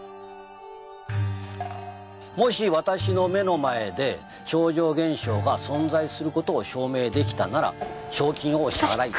「もし私の目の前で超常現象が存在する事を証明できたなら賞金をお支払いいたします」